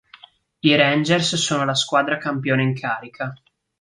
I Rangers sono la squadra campione in carica.